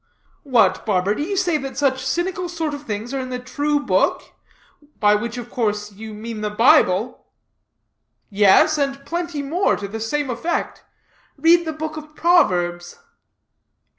'" "What, barber, do you say that such cynical sort of things are in the True Book, by which, of course, you mean the Bible?" "Yes, and plenty more to the same effect. Read the Book of Proverbs."